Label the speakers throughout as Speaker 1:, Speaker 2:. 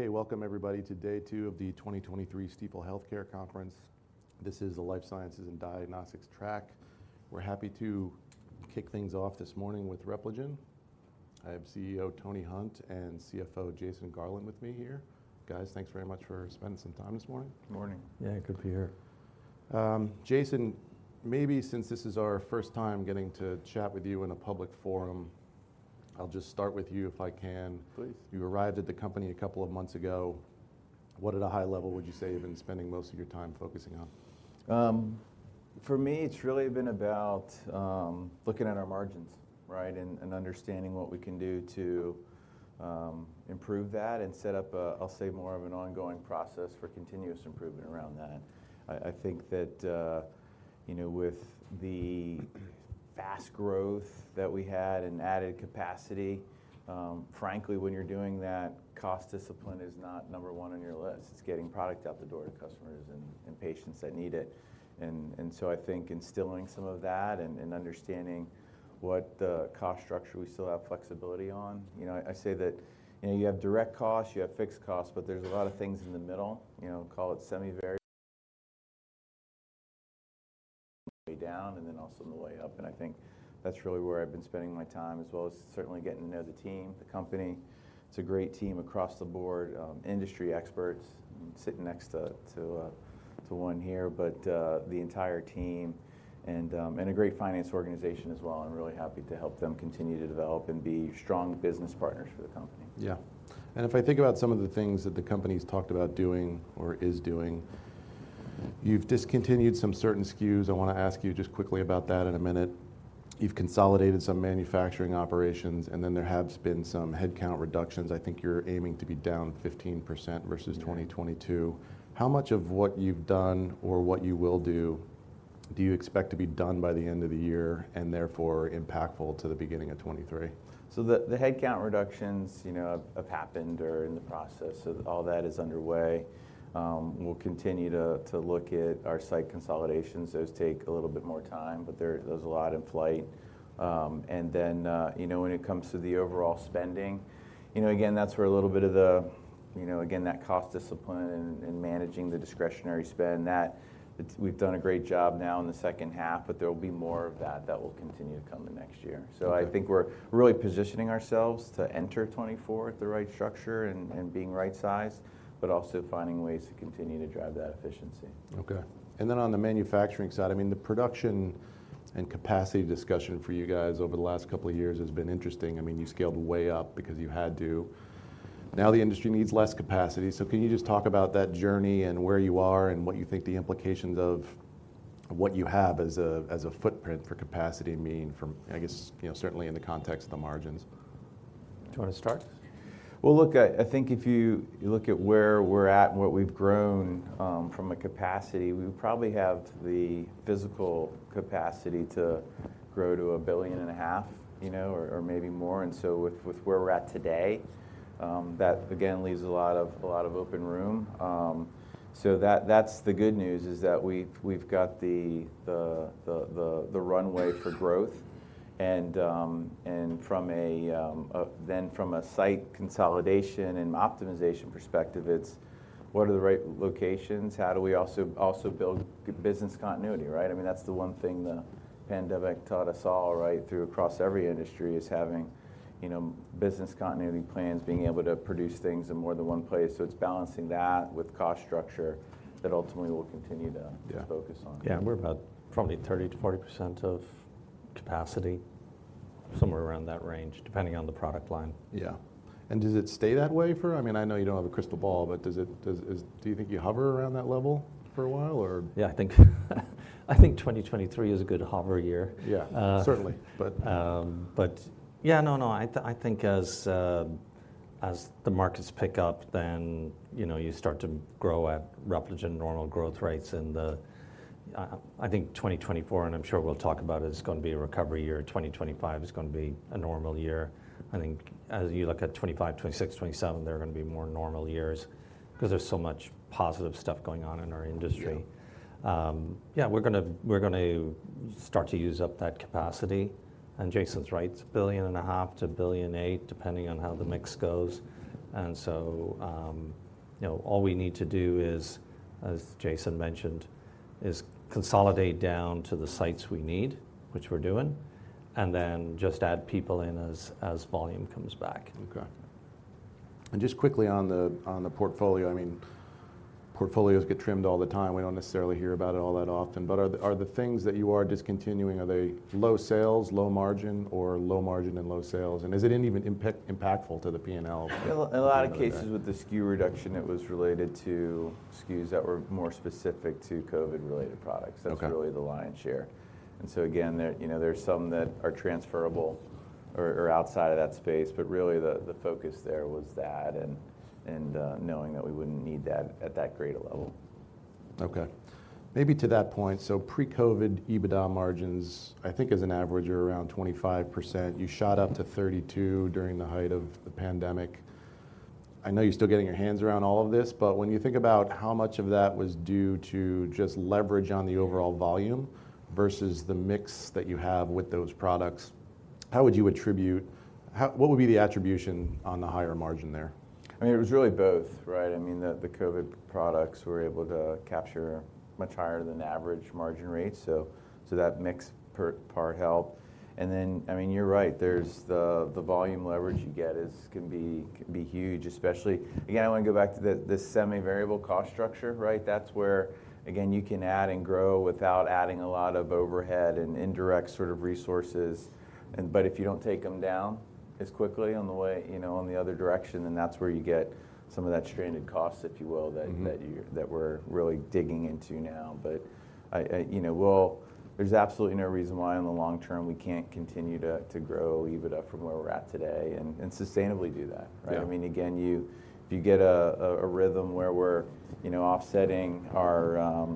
Speaker 1: Okay, welcome everybody to day two of the 2023 Stifel Healthcare conference. This is the Life Sciences and Diagnostics track. We're happy to kick things off this morning with Repligen. I have CEO Tony Hunt and CFO Jason Garland with me here. Guys, thanks very much for spending some time this morning.
Speaker 2: Good morning.
Speaker 3: Yeah, good to be here.
Speaker 1: Jason, maybe since this is our first time getting to chat with you in a public forum, I'll just start with you, if I can.
Speaker 2: Please.
Speaker 1: You arrived at the company a couple of months ago. What, at a high level, would you say you've been spending most of your time focusing on?
Speaker 2: For me, it's really been about looking at our margins, right? And understanding what we can do to improve that and set up a, I'll say, more of an ongoing process for continuous improvement around that. I think that, you know, with the fast growth that we had and added capacity, frankly, when you're doing that, cost discipline is not number one on your list. It's getting product out the door to customers and patients that need it. And so I think instilling some of that and understanding what the cost structure we still have flexibility on. You know, I say that, you know, you have direct costs, you have fixed costs, but there's a lot of things in the middle. You know, call it semi-vari- way down, and then also on the way up, and I think that's really where I've been spending my time, as well as certainly getting to know the team, the company. It's a great team across the board, industry experts. I'm sitting next to one here, but the entire team and a great finance organization as well. I'm really happy to help them continue to develop and be strong business partners for the company.
Speaker 1: Yeah. And if I think about some of the things that the company's talked about doing or is doing, you've discontinued some certain SKUs. I wanna ask you just quickly about that in a minute. You've consolidated some manufacturing operations, and then there have been some headcount reductions. I think you're aiming to be down 15% versus-
Speaker 2: Yeah...
Speaker 1: 2022. How much of what you've done or what you will do, do you expect to be done by the end of the year, and therefore impactful to the beginning of 2023?
Speaker 2: The headcount reductions, you know, have happened or are in the process of; all that is underway. We'll continue to look at our site consolidations. Those take a little bit more time, but there's a lot in flight. And then, you know, when it comes to the overall spending, you know, again, that's where a little bit of the, you know, again, that cost discipline and managing the discretionary spend, that it's we've done a great job now in the second half, but there will be more of that that will continue to come the next year.
Speaker 1: Okay.
Speaker 2: I think we're really positioning ourselves to enter 2024 with the right structure and being right sized, but also finding ways to continue to drive that efficiency.
Speaker 1: Okay. And then on the manufacturing side, I mean, the production and capacity discussion for you guys over the last couple of years has been interesting. I mean, you scaled way up because you had to. Now the industry needs less capacity. So can you just talk about that journey and where you are and what you think the implications of what you have as a footprint for capacity mean from, I guess, you know, certainly in the context of the margins?
Speaker 3: Do you wanna start?
Speaker 2: Well, look, I think if you look at where we're at and what we've grown from a capacity, we probably have the physical capacity to grow to $1.5 billion, you know, or maybe more, and so with where we're at today, that again leaves a lot of open room. So that's the good news, is that we've got the runway for growth. And then from a site consolidation and optimization perspective, it's what are the right locations? How do we also build good business continuity, right? I mean, that's the one thing the pandemic taught us all, right, through across every industry, is having, you know, business continuity plans, being able to produce things in more than one place. So it's balancing that with cost structure that ultimately we'll continue to-
Speaker 1: Yeah...
Speaker 2: focus on.
Speaker 3: Yeah, we're about probably 30%-40% of capacity, somewhere around that range, depending on the product line.
Speaker 1: Yeah. Does it stay that way for... I mean, I know you don't have a crystal ball, but do you think you hover around that level for a while, or?
Speaker 3: Yeah, I think 2023 is a good hover year.
Speaker 1: Yeah.
Speaker 3: Uh.
Speaker 1: Certainly. But-
Speaker 3: But yeah, no, no, I think as the markets pick up, then, you know, you start to grow at Repligen normal growth rates. And the, I think 2024, and I'm sure we'll talk about it, is gonna be a recovery year. 2025 is gonna be a normal year. I think as you look at 2025, 2026, 2027, they're gonna be more normal years 'cause there's so much positive stuff going on in our industry.
Speaker 1: Yeah.
Speaker 3: Yeah, we're gonna start to use up that capacity. And Jason's right, it's $1.5 billion-$1.8 billion, depending on how the mix goes. And so, you know, all we need to do is, as Jason mentioned, is consolidate down to the sites we need, which we're doing, and then just add people in as volume comes back.
Speaker 1: Okay. And just quickly on the, on the portfolio, I mean, portfolios get trimmed all the time. We don't necessarily hear about it all that often. But are the, are the things that you are discontinuing, are they low sales, low margin, or low margin and low sales? And is it even impactful to the P&L?
Speaker 2: In a lot of cases with the SKU reduction, it was related to SKUs that were more specific to COVID-related products.
Speaker 1: Okay.
Speaker 2: That's really the lion's share. And so again, there, you know, there are some that are transferable or outside of that space, but really, the focus there was that and knowing that we wouldn't need that at that great a level.
Speaker 1: Okay. Maybe to that point, so pre-COVID, EBITDA margins, I think as an average, are around 25%. You shot up to 32 during the height of the pandemic. I know you're still getting your hands around all of this, but when you think about how much of that was due to just leverage on the overall volume versus the mix that you have with those products? How would you attribute, how, what would be the attribution on the higher margin there?
Speaker 2: I mean, it was really both, right? I mean, the COVID products were able to capture much higher than average margin rates. So that mix part helped. And then, I mean, you're right, there's the volume leverage you get can be huge, especially... Again, I want to go back to this semi-variable cost structure, right? That's where, again, you can add and grow without adding a lot of overhead and indirect sort of resources. But if you don't take them down as quickly on the way, you know, on the other direction, then that's where you get some of that stranded cost, if you will-
Speaker 1: Mm-hmm
Speaker 2: ...that we're really digging into now. But I, you know, there's absolutely no reason why, in the long term, we can't continue to grow EBITDA from where we're at today, and sustainably do that, right?
Speaker 1: Yeah.
Speaker 2: I mean, again, you if you get a rhythm where we're, you know, offsetting our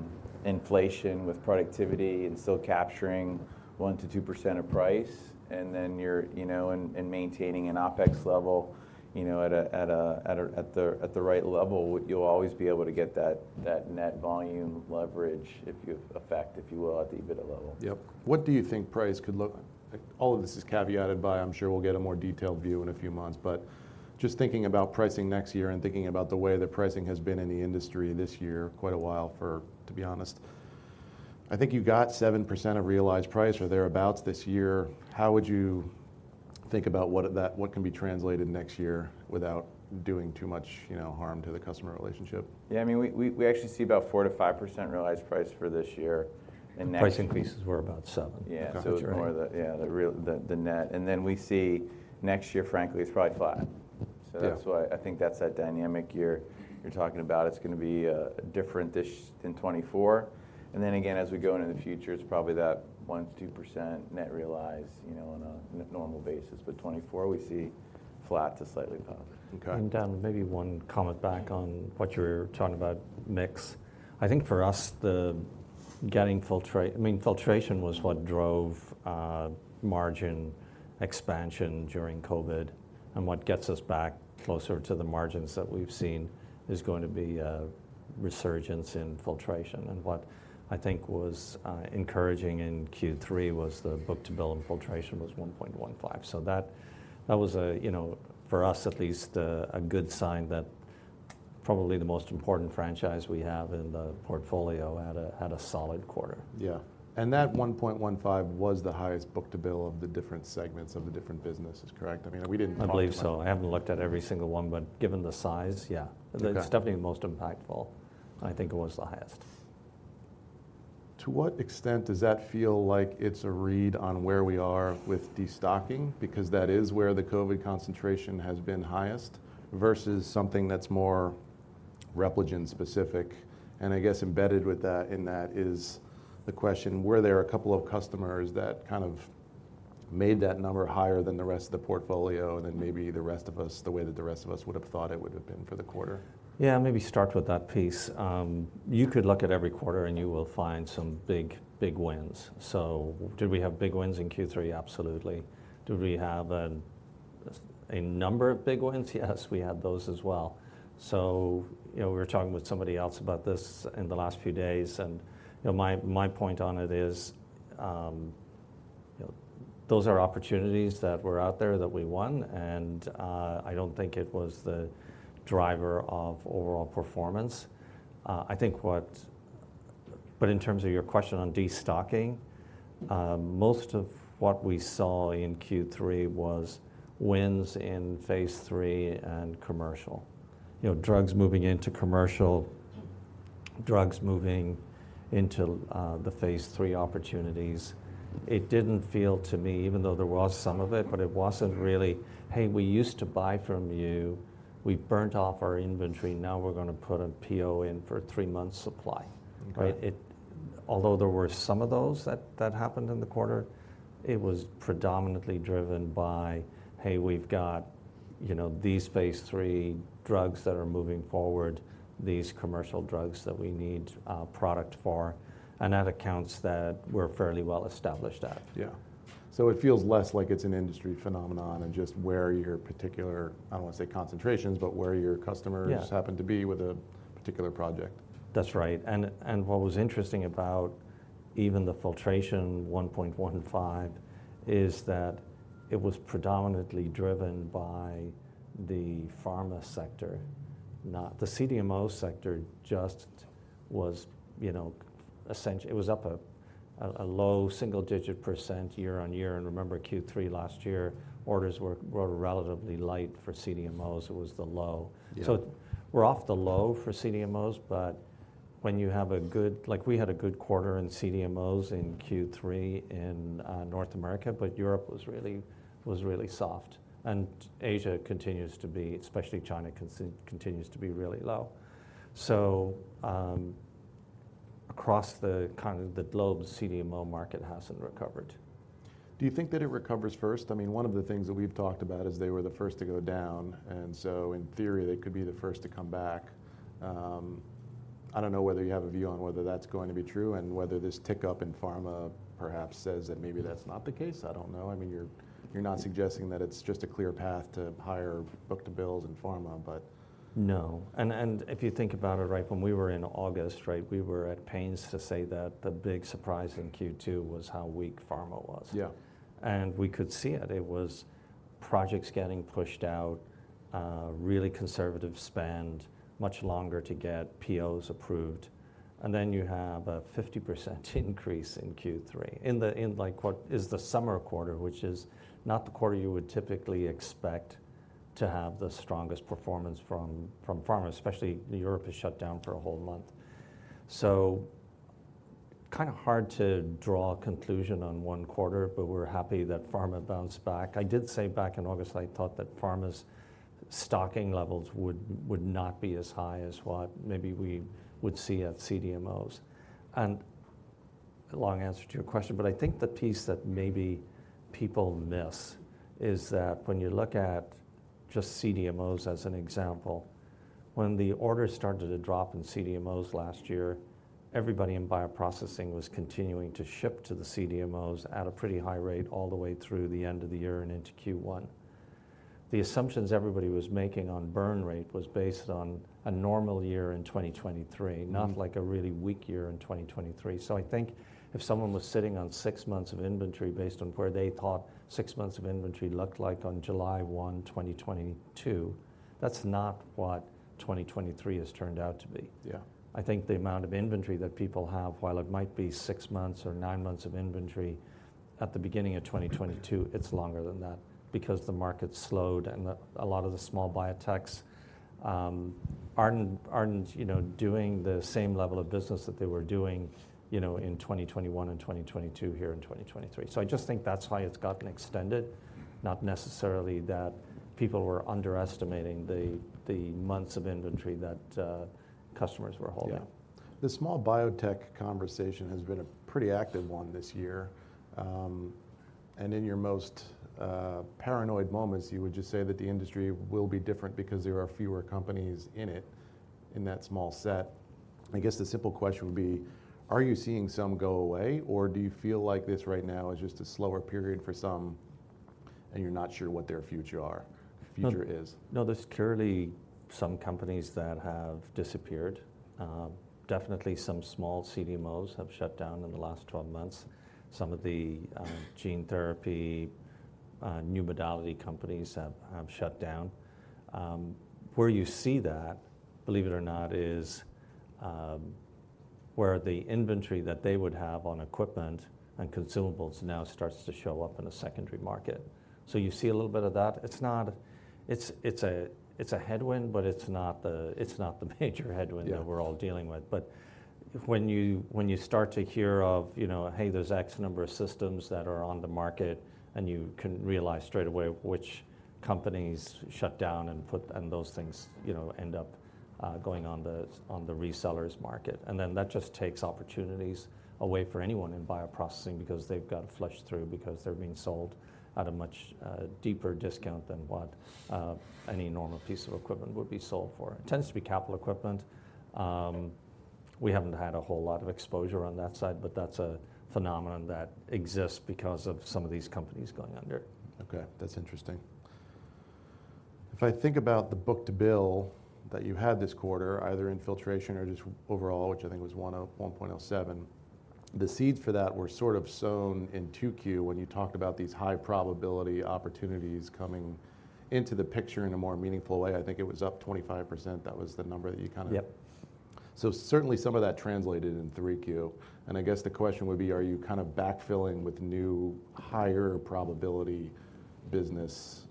Speaker 2: inflation with productivity and still capturing 1%-2% of price, and then you're, you know, maintaining an OpEx level, you know, at the right level, you'll always be able to get that net volume leverage, if you effect, if you will, at the EBITDA level.
Speaker 1: Yep. What do you think price could look... All of this is caveated by, I'm sure we'll get a more detailed view in a few months, but just thinking about pricing next year and thinking about the way that pricing has been in the industry this year, quite a while for, to be honest. I think you've got 7% of realized price or thereabout this year. How would you think about what that, what can be translated next year without doing too much, you know, harm to the customer relationship?
Speaker 2: Yeah, I mean, we actually see about 4%-5% realized price for this year, and next-
Speaker 3: Pricing pieces were about seven.
Speaker 2: Yeah.
Speaker 3: Okay.
Speaker 2: So it's more, yeah, the real net. And then we see next year, frankly, it's probably flat.
Speaker 1: Yeah.
Speaker 2: So that's why I think that's that dynamic you're talking about. It's gonna be differentish in 2024. And then again, as we go into the future, it's probably that 1%-2% net realized, you know, on a normal basis. But 2024, we see flat to slightly positive.
Speaker 1: Okay.
Speaker 3: And Dan, maybe one comment back on what you were talking about, mix. I think for us, the getting, I mean, filtration was what drove margin expansion during COVID, and what gets us back closer to the margins that we've seen is going to be a resurgence in filtration. And what I think was encouraging in Q3 was the Book-to-Bill in filtration was 1.15. So that, that was a, you know, for us at least, a good sign that probably the most important franchise we have in the portfolio had a, had a solid quarter.
Speaker 1: Yeah. And that 1.15 was the highest Book-to-Bill of the different segments of the different businesses, correct? I mean, we didn't talk about-
Speaker 3: I believe so. I haven't looked at every single one, but given the size, yeah.
Speaker 1: Okay.
Speaker 3: It's definitely the most impactful. I think it was the highest.
Speaker 1: To what extent does that feel like it's a read on where we are with destocking? Because that is where the COVID concentration has been highest, versus something that's more Repligen specific. And I guess embedded with that, in that, is the question: Were there a couple of customers that kind of made that number higher than the rest of the portfolio, and then maybe the rest of us, the way that the rest of us would have thought it would have been for the quarter?
Speaker 3: Yeah, maybe start with that piece. You could look at every quarter, and you will find some big, big wins. So did we have big wins in Q3? Absolutely. Do we have a number of big wins? Yes, we had those as well. So, you know, we were talking with somebody else about this in the last few days, and, you know, my point on it is, you know, those are opportunities that were out there that we won, and I don't think it was the driver of overall performance. But in terms of your question on destocking, most of what we saw in Q3 was wins in phase three and commercial. You know, drugs moving into commercial, drugs moving into the phase three opportunities. It didn't feel to me, even though there was some of it, but it wasn't really, "Hey, we used to buy from you. We burnt off our inventory. Now we're gonna put a PO in for a three-month supply.
Speaker 1: Okay.
Speaker 3: Right? It, although there were some of those that happened in the quarter, it was predominantly driven by, "Hey, we've got, you know, these Phase III drugs that are moving forward, these commercial drugs that we need product for," and at accounts that we're fairly well established at.
Speaker 1: Yeah. So it feels less like it's an industry phenomenon and just where your particular, I don't want to say concentrations, but where your customers-
Speaker 3: Yeah...
Speaker 1: happen to be with a particular project.
Speaker 3: That's right. And what was interesting about even the filtration 1.15 is that it was predominantly driven by the pharma sector, not... The CDMO sector just was, you know, it was up a low single-digit percent year-on-year. And remember, Q3 last year, orders were relatively light for CDMOs. It was the low.
Speaker 1: Yeah.
Speaker 3: So we're off the low for CDMOs, but when you have a good... Like, we had a good quarter in CDMOs in Q3 in North America, but Europe was really, was really soft, and Asia continues to be, especially China, continues to be really low. So, across the kind of the globe, CDMO market hasn't recovered.
Speaker 1: Do you think that it recovers first? I mean, one of the things that we've talked about is they were the first to go down, and so in theory, they could be the first to come back. I don't know whether you have a view on whether that's going to be true and whether this tick-up in pharma perhaps says that maybe that's not the case. I don't know. I mean, you're, you're not suggesting that it's just a clear path to higher book-to-bills in pharma, but-
Speaker 3: No. And, and if you think about it, right, when we were in August, right, we were at pains to say that the big surprise in Q2 was how weak pharma was.
Speaker 1: Yeah.
Speaker 3: We could see it. It was projects getting pushed out, really conservative spend, much longer to get POs approved, and then you have a 50% increase in Q3. In the, like, what is the summer quarter, which is not the quarter you would typically expect to have the strongest performance from pharma, especially Europe is shut down for a whole month. So kind of hard to draw a conclusion on one quarter, but we're happy that pharma bounced back. I did say back in August, I thought that pharma's stocking levels would not be as high as what maybe we would see at CDMOs. Long answer to your question, but I think the piece that maybe people miss is that when you look at just CDMOs as an example, when the orders started to drop in CDMOs last year, everybody in bioprocessing was continuing to ship to the CDMOs at a pretty high rate all the way through the end of the year and into Q1. The assumptions everybody was making on burn rate was based on a normal year in 2023, not like a really weak year in 2023. So I think if someone was sitting on six months of inventory based on where they thought six months of inventory looked like on July 1, 2022, that's not what 2023 has turned out to be.
Speaker 1: Yeah.
Speaker 3: I think the amount of inventory that people have, while it might be six months or nine months of inventory at the beginning of 2022, it's longer than that because the market slowed, and a lot of the small biotechs aren't, you know, doing the same level of business that they were doing, you know, in 2021 and 2022, here in 2023. So I just think that's why it's gotten extended, not necessarily that people were underestimating the months of inventory that customers were holding.
Speaker 1: Yeah. The small biotech conversation has been a pretty active one this year. And in your most paranoid moments, you would just say that the industry will be different because there are fewer companies in it, in that small set. I guess the simple question would be: Are you seeing some go away, or do you feel like this right now is just a slower period for some, and you're not sure what their future is?
Speaker 3: No, there's clearly some companies that have disappeared. Definitely some small CDMOs have shut down in the last 12 months. Some of the gene therapy new modality companies have shut down. Where you see that, believe it or not, is where the inventory that they would have on equipment and consumables now starts to show up in a secondary market. So you see a little bit of that. It's not. It's a headwind, but it's not the major headwind-
Speaker 1: Yeah...
Speaker 3: that we're all dealing with. But when you start to hear of, you know, "Hey, there's X number of systems that are on the market," and you can realize straight away which companies shut down and put, and those things, you know, end up going on the resellers market. And then that just takes opportunities away for anyone in bioprocessing because they've got to flush through because they're being sold at a much deeper discount than what any normal piece of equipment would be sold for. It tends to be capital equipment. We haven't had a whole lot of exposure on that side, but that's a phenomenon that exists because of some of these companies going under.
Speaker 1: Okay, that's interesting. If I think about the Book-to-Bill that you had this quarter, either in filtration or just overall, which I think was 1.07, the seeds for that were sort of sown in Q2 when you talked about these high probability opportunities coming into the picture in a more meaningful way. I think it was up 25%. That was the number that you kind of-
Speaker 3: Yep.
Speaker 1: So certainly some of that translated in 3Q, and I guess the question would be: Are you kind of backfilling with new, higher probability business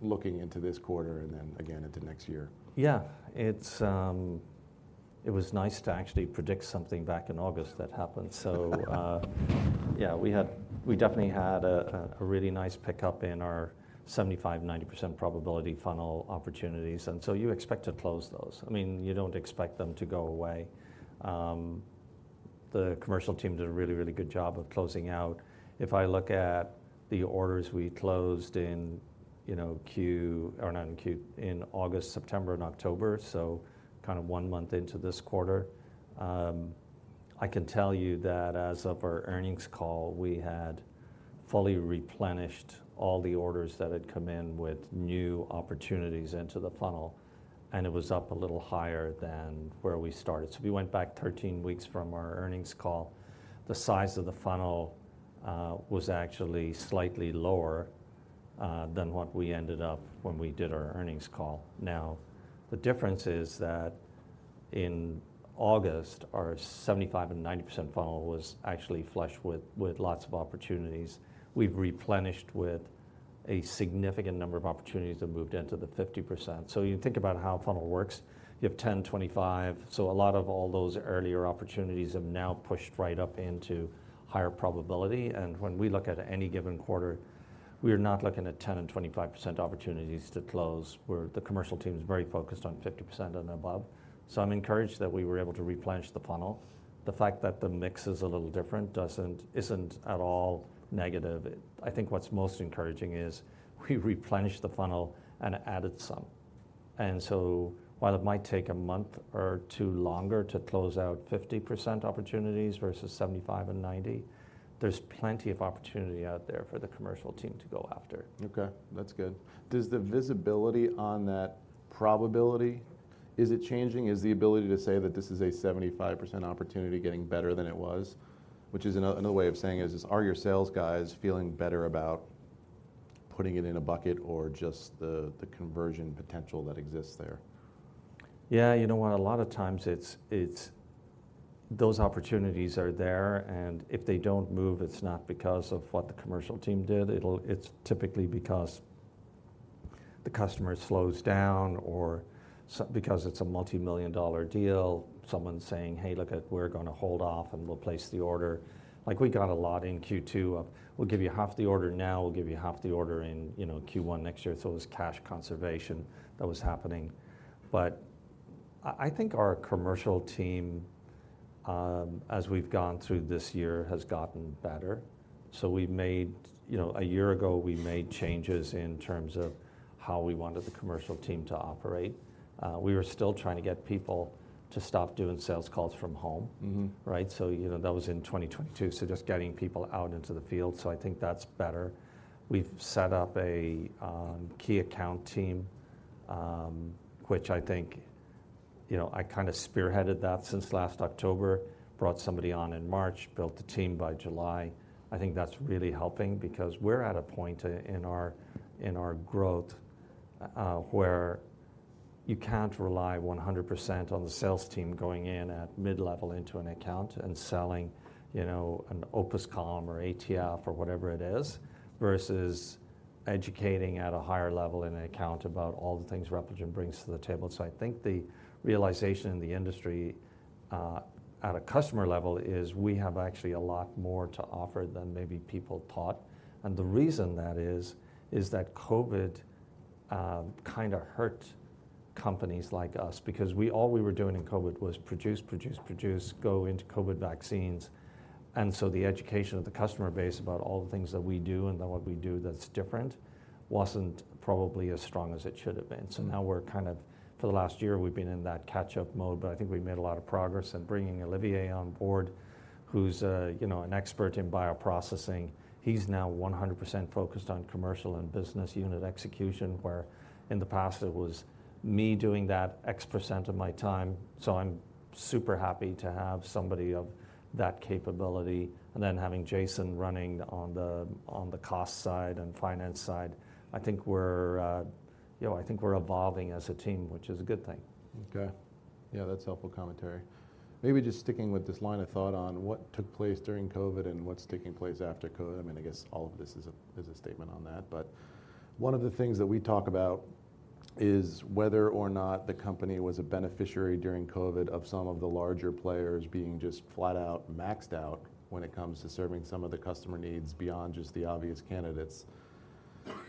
Speaker 1: looking into this quarter and then again into next year?
Speaker 3: Yeah. It's, it was nice to actually predict something back in August that happened. So, yeah, we had-- we definitely had a really nice pickup in our 75, 90% probability funnel opportunities, and so you expect to close those. I mean, you don't expect them to go away. The commercial team did a really, really good job of closing out. If I look at the orders we closed in, you know, August, September, and October, so kind of one month into this quarter, I can tell you that as of our earnings call, we had fully replenished all the orders that had come in with new opportunities into the funnel, and it was up a little higher than where we started. So we went back 13 weeks from our earnings call. The size of the funnel was actually slightly lower than what we ended up when we did our earnings call. Now, the difference is that in August, our 75% and 90% funnel was actually flushed with, with lots of opportunities. We've replenished with a significant number of opportunities that moved into the 50%. So you think about how a funnel works. You have 10, 25, so a lot of all those earlier opportunities have now pushed right up into higher probability. And when we look at any given quarter, we are not looking at 10% and 25% opportunities to close, where the commercial team is very focused on 50% and above. So I'm encouraged that we were able to replenish the funnel. The fact that the mix is a little different doesn't isn't at all negative. I think what's most encouraging is we replenished the funnel and added some. And so while it might take a month or two longer to close out 50% opportunities versus 75 and 90, there's plenty of opportunity out there for the commercial team to go after.
Speaker 1: Okay, that's good. Does the visibility on that probability... Is it changing? Is the ability to say that this is a 75% opportunity getting better than it was? Which is another, another way of saying it is, are your sales guys feeling better about putting it in a bucket, or just the, the conversion potential that exists there?
Speaker 3: Yeah, you know what? A lot of times it's those opportunities are there, and if they don't move, it's not because of what the commercial team did. It's typically because the customer slows down, or because it's a multimillion dollar deal, someone saying: "Hey, look it, we're gonna hold off, and we'll place the order." Like, we got a lot in Q2 of: "We'll give you half the order now, we'll give you half the order in, you know, Q1 next year." So it was cash conservation that was happening. But I think our commercial team, as we've gone through this year, has gotten better. So we've made... You know, a year ago, we made changes in terms of how we wanted the commercial team to operate. We were still trying to get people to stop doing sales calls from home.
Speaker 1: Mm-hmm.
Speaker 3: Right? So, you know, that was in 2022. So just getting people out into the field, so I think that's better. We've set up a key account team, which I think, you know, I kinda spearheaded that since last October. Brought somebody on in March, built the team by July. I think that's really helping because we're at a point in our, in our growth, where you can't rely 100% on the sales team going in at mid-level into an account and selling, you know, an OPUS column, or ATF or whatever it is, versus educating at a higher level in an account about all the things Repligen brings to the table. So I think the realization in the industry, at a customer level, is we have actually a lot more to offer than maybe people thought. And the reason that is, is that COVID kinda hurt companies like us, because all we were doing in COVID was produce, produce, produce, go into COVID vaccines. And so the education of the customer base about all the things that we do, and that what we do that's different, wasn't probably as strong as it should have been.
Speaker 1: Mm.
Speaker 3: So now we're kind of... For the last year, we've been in that catch-up mode, but I think we've made a lot of progress in bringing Olivier on board, who's, you know, an expert in bioprocessing. He's now 100% focused on commercial and business unit execution, where in the past it was me doing that X% of my time. So I'm super happy to have somebody of that capability. And then having Jason running on the, on the cost side and finance side, I think we're, you know, I think we're evolving as a team, which is a good thing.
Speaker 1: Okay. Yeah, that's helpful commentary. Maybe just sticking with this line of thought on what took place during COVID and what's taking place after COVID. I mean, I guess all of this is a, is a statement on that. But one of the things that we talk about is whether or not the company was a beneficiary during COVID of some of the larger players being just flat out maxed out when it comes to serving some of the customer needs beyond just the obvious candidates.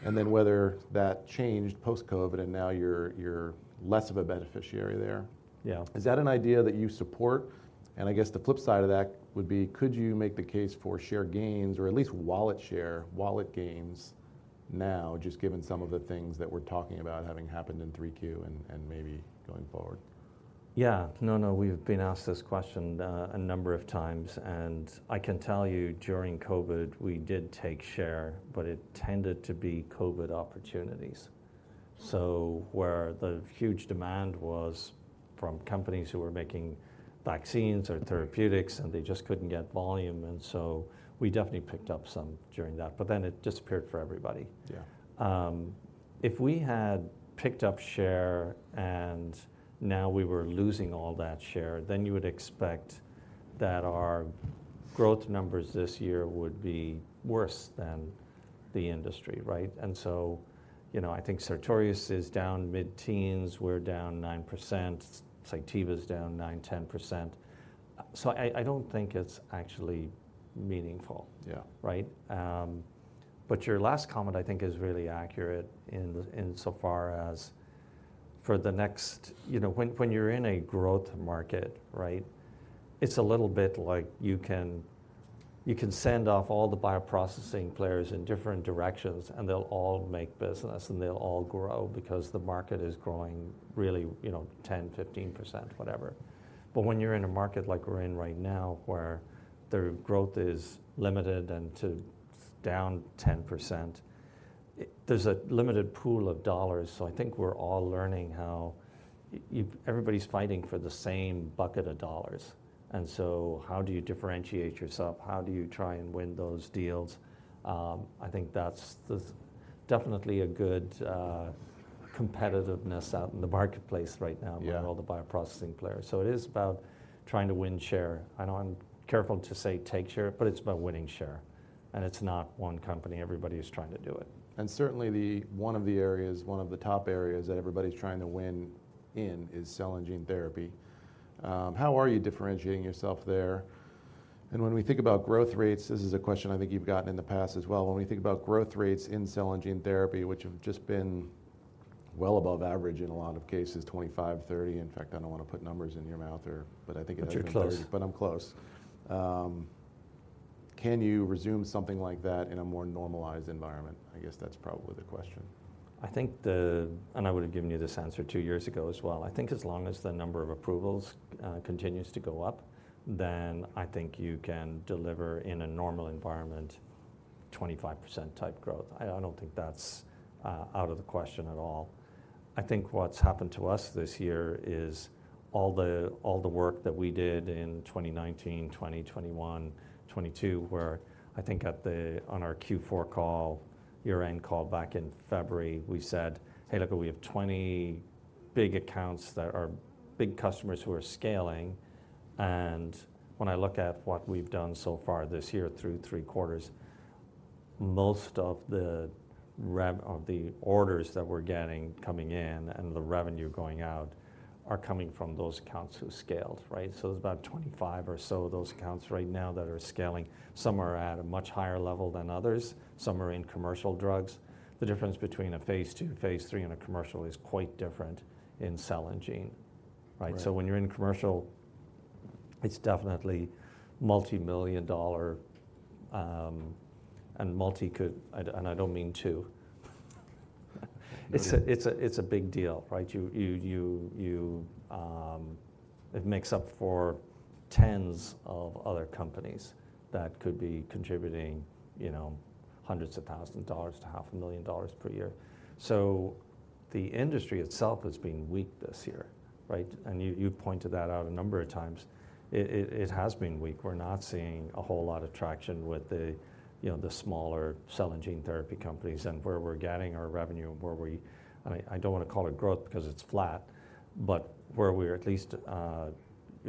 Speaker 1: And then whether that changed post-COVID, and now you're, you're less of a beneficiary there.
Speaker 3: Yeah.
Speaker 1: Is that an idea that you support? And I guess the flip side of that would be, could you make the case for share gains, or at least wallet share, wallet gains now, just given some of the things that we're talking about having happened in 3Q and maybe going forward?
Speaker 3: Yeah. No, no, we've been asked this question a number of times, and I can tell you during COVID, we did take share, but it tended to be COVID opportunities. So where the huge demand was from companies who were making vaccines or therapeutics, and they just couldn't get volume, and so we definitely picked up some during that. But then it disappeared for everybody.
Speaker 1: Yeah.
Speaker 3: If we had picked up share and now we were losing all that share, then you would expect that our growth numbers this year would be worse than the industry, right? And so, you know, I think Sartorius is down mid-teens, we're down 9%. Cytiva's down 9%-10%. So I don't think it's actually meaningful-
Speaker 1: Yeah.
Speaker 3: Right? But your last comment, I think, is really accurate in, insofar as for the next... You know, when you're in a growth market, right? It's a little bit like, you can send off all the bioprocessing players in different directions, and they'll all make business, and they'll all grow because the market is growing, really, you know, 10, 15%, whatever. But when you're in a market like we're in right now, where the growth is limited and to down 10%, there's a limited pool of dollars, so I think we're all learning how everybody's fighting for the same bucket of dollars. And so how do you differentiate yourself? How do you try and win those deals? I think that's definitely a good competitiveness out in the marketplace right now.
Speaker 1: Yeah
Speaker 3: among all the bioprocessing players. So it is about trying to win share. I know I'm careful to say, "Take share," but it's about winning share. And it's not one company, everybody is trying to do it.
Speaker 1: Certainly, one of the areas, one of the top areas that everybody's trying to win in is Cell and Gene Therapy. How are you differentiating yourself there? When we think about growth rates, this is a question I think you've gotten in the past as well. When we think about growth rates in Cell and Gene Therapy, which have just been well above average in a lot of cases, 25, 30. In fact, I don't wanna put numbers in your mouth or but I think it is-
Speaker 3: But you're close.
Speaker 1: I'm close. Can you assume something like that in a more normalized environment? I guess that's probably the question.
Speaker 3: I think. And I would have given you this answer two years ago as well. I think as long as the number of approvals continues to go up, then I think you can deliver in a normal environment, 25% type growth. I, I don't think that's Out of the question at all. I think what's happened to us this year is all the, all the work that we did in 2019, 2021, 2022, where I think on our Q4 call, year-end call back in February, we said, "Hey, look, we have 20 big accounts that are big customers who are scaling." And when I look at what we've done so far this year through three quarters, most of the orders that we're getting coming in and the revenue going out are coming from those accounts who scaled, right? So there's about 25 or so of those accounts right now that are scaling. Some are at a much higher level than others. Some are in commercial drugs. The difference between a phase II, phase III, and a commercial is quite different in cell and gene, right?
Speaker 1: Right.
Speaker 3: When you're in commercial, it's definitely multi-million-dollar, and I don't mean two.
Speaker 1: Mm.
Speaker 3: It's a big deal, right? It makes up for tens of other companies that could be contributing, you know, $100,000s-$500,000 per year. So the industry itself has been weak this year, right? And you've pointed that out a number of times. It has been weak. We're not seeing a whole lot of traction with you know the smaller cell and gene therapy companies. And where we're getting our revenue and where we, I don't wanna call it growth because it's flat, but where we're at least you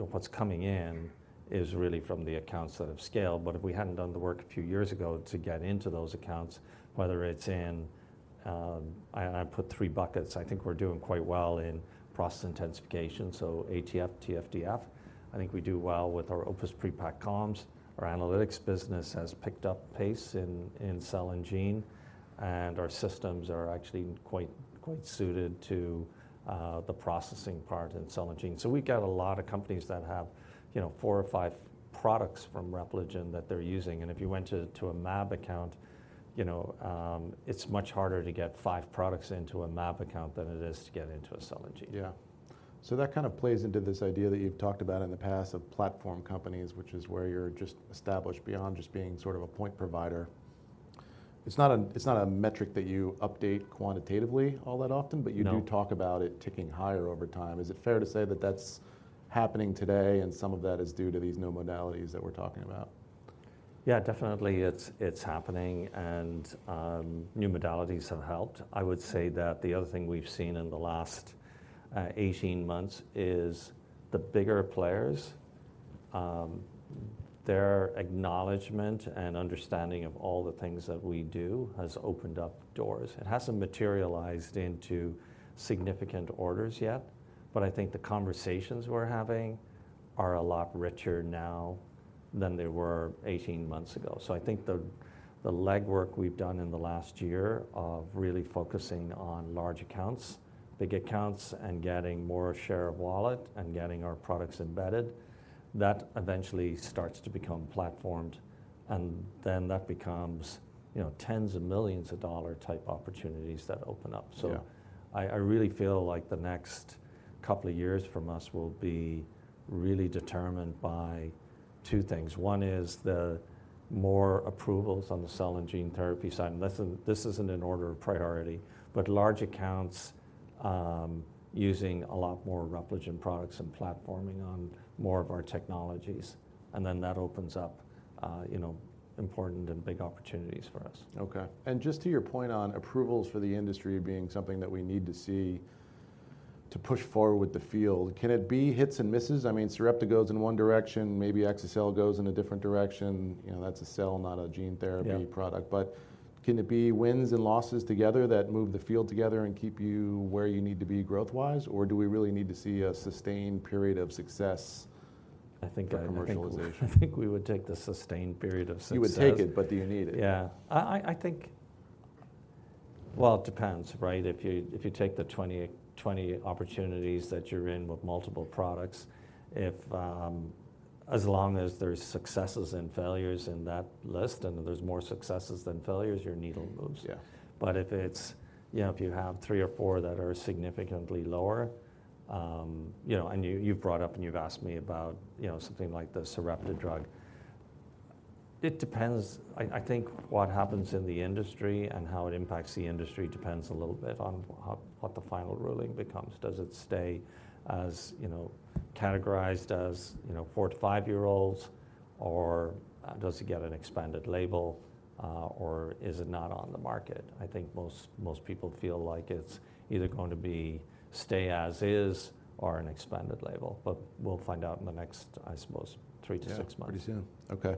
Speaker 3: know what's coming in is really from the accounts that have scaled. But if we hadn't done the work a few years ago to get into those accounts, whether it's in, I put three buckets. I think we're doing quite well in process intensification, so ATF, TF, DF. I think we do well with our OPUS pre-packed columns. Our analytics business has picked up pace in cell and gene, and our systems are actually quite suited to the processing part in cell and gene. So we got a lot of companies that have, you know, four or five products from Repligen that they're using. And if you went to a mAb account, you know, it's much harder to get five products into a mAb account than it is to get into a cell and gene.
Speaker 1: Yeah. So that kind of plays into this idea that you've talked about in the past of platform companies, which is where you're just established beyond just being sort of a point provider. It's not a, it's not a metric that you update quantitatively all that often-
Speaker 3: No.
Speaker 1: But you do talk about it ticking higher over time. Is it fair to say that that's happening today, and some of that is due to these new modalities that we're talking about?
Speaker 3: Yeah, definitely, it's, it's happening, and new modalities have helped. I would say that the other thing we've seen in the last 18 months is the bigger players, their acknowledgment and understanding of all the things that we do has opened up doors. It hasn't materialized into significant orders yet, but I think the conversations we're having are a lot richer now than they were 18 months ago. So I think the, the legwork we've done in the last year of really focusing on large accounts, big accounts, and getting more share of wallet and getting our products embedded, that eventually starts to become platformed, and then that becomes, you know, $10s of millions of dollar type opportunities that open up.
Speaker 1: Yeah.
Speaker 3: So I really feel like the next couple of years from us will be really determined by two things. One is the more approvals on the cell and gene therapy side, and this isn't in order of priority, but large accounts using a lot more Repligen products and platforming on more of our technologies, and then that opens up, you know, important and big opportunities for us.
Speaker 1: Okay. And just to your point on approvals for the industry being something that we need to see to push forward with the field, can it be hits and misses? I mean, Sarepta goes in one direction, maybe Exa-cel goes in a different direction. You know, that's a cell, not a gene therapy product.
Speaker 3: Yeah.
Speaker 1: But can it be wins and losses together that move the field together and keep you where you need to be growth-wise, or do we really need to see a sustained period of success?
Speaker 3: I think.
Speaker 1: -for commercialization?
Speaker 3: I think we would take the sustained period of success.
Speaker 1: You would take it, but do you need it?
Speaker 3: Yeah. I think... Well, it depends, right? If you take the 20, 20 opportunities that you're in with multiple products, if, as long as there's successes and failures in that list, and there's more successes than failures, your needle moves.
Speaker 1: Yeah.
Speaker 3: But if it's, you know, if you have three or four that are significantly lower, you know, and you, you've brought up, and you've asked me about, you know, something like the Sarepta drug, it depends. I think what happens in the industry and how it impacts the industry depends a little bit on what the final ruling becomes. Does it stay as, you know, categorized as, you know, four to five-year-olds, or does it get an expanded label, or is it not on the market? I think most people feel like it's either going to be stay as is or an expanded label, but we'll find out in the next, I suppose, three to six months.
Speaker 1: Yeah, pretty soon. Okay.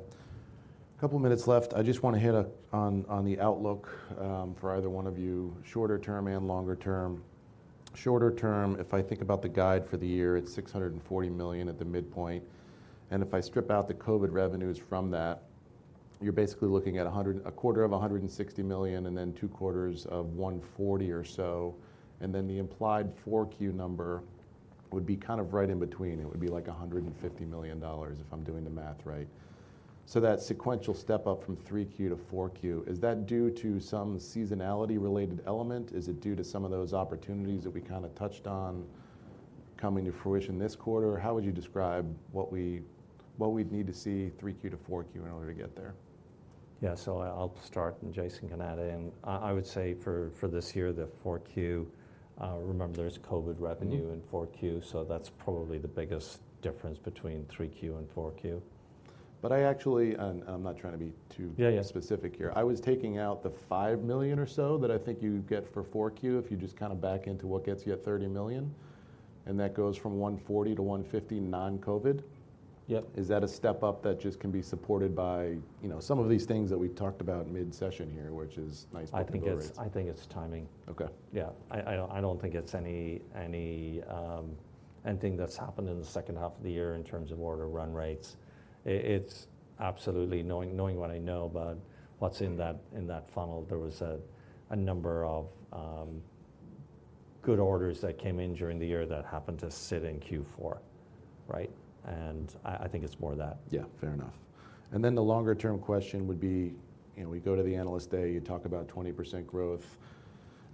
Speaker 1: A couple minutes left. I just want to hit on the outlook for either one of you, shorter term and longer term. Shorter term, if I think about the guide for the year, it's $640 million at the midpoint, and if I strip out the COVID revenues from that, you're basically looking at a quarter of $160 million and then two quarters of $140 or so, and then the implied 4Q number would be kind of right in between. It would be, like, $150 million if I'm doing the math right. So that sequential step up from 3Q to 4Q, is that due to some seasonality-related element? Is it due to some of those opportunities that we kind of touched on, coming to fruition this quarter? Or how would you describe what we, what we'd need to see 3Q to 4Q in order to get there?
Speaker 3: Yeah, so I'll start, and Jason can add in. I would say for this year, the 4Q, remember, there's COVID revenue-
Speaker 1: Mm-hmm...
Speaker 3: in 4Q, so that's probably the biggest difference between 3Q and 4Q.
Speaker 1: But I actually, and I'm not trying to be too-
Speaker 3: Yeah, yeah...
Speaker 1: specific here. I was taking out the $5 million or so that I think you'd get for 4Q, if you just kinda back into what gets you at $30 million, and that goes from 140 to 150 non-COVID.
Speaker 3: Yep.
Speaker 1: Is that a step up that just can be supported by, you know, some of these things that we've talked about mid-session here, which is nice?
Speaker 3: I think it's timing.
Speaker 1: Okay.
Speaker 3: Yeah. I don't think it's anything that's happened in the second half of the year in terms of order run rates. It's absolutely knowing what I know about what's in that funnel, there was a number of good orders that came in during the year that happened to sit in Q4, right? And I think it's more that.
Speaker 1: Yeah. Fair enough. And then the longer-term question would be, you know, we go to the Analyst Day, you talk about 20% growth.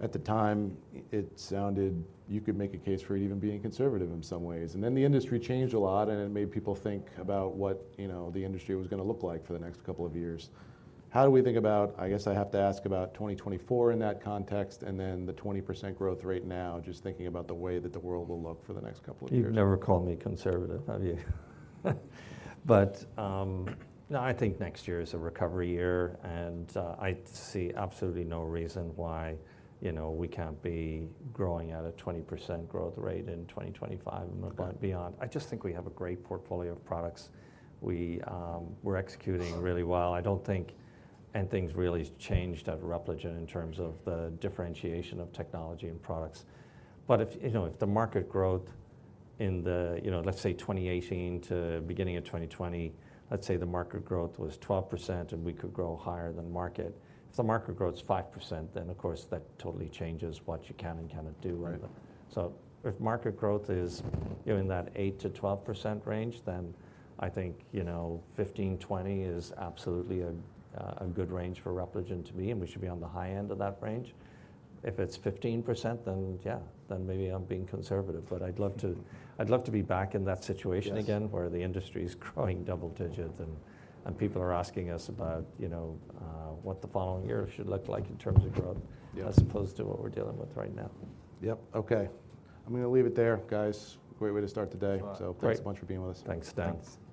Speaker 1: At the time, it sounded... you could make a case for it even being conservative in some ways. And then the industry changed a lot, and it made people think about what, you know, the industry was gonna look like for the next couple of years. How do we think about, I guess I have to ask about 2024 in that context, and then the 20% growth rate now, just thinking about the way that the world will look for the next couple of years?
Speaker 3: You've never called me conservative, have you? But, no, I think next year is a recovery year, and, I see absolutely no reason why, you know, we can't be growing at a 20% growth rate in 2025-
Speaker 1: Okay...
Speaker 3: and beyond. I just think we have a great portfolio of products. We're executing really well. I don't think anything's really changed at Repligen in terms of the differentiation of technology and products. But if, you know, if the market growth in the, you know, let's say 2018 to beginning of 2020, let's say the market growth was 12%, and we could grow higher than market. If the market growth is 5%, then, of course, that totally changes what you can and cannot do.
Speaker 1: Right.
Speaker 3: So if market growth is, you know, in that 8%-12% range, then I think, you know, 15-20 is absolutely a good range for Repligen to be, and we should be on the high end of that range. If it's 15%, then yeah, then maybe I'm being conservative, but I'd love to, I'd love to be back in that situation again-
Speaker 1: Yes...
Speaker 3: where the industry is growing double digits, and people are asking us about, you know, what the following year should look like in terms of growth-
Speaker 1: Yeah...
Speaker 3: as opposed to what we're dealing with right now.
Speaker 1: Yep. Okay. I'm gonna leave it there, guys. Great way to start the day.
Speaker 3: That's fine. Great.
Speaker 1: Thanks a bunch for being with us.
Speaker 3: Thanks, Doug.
Speaker 2: Thanks.